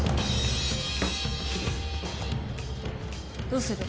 どうする？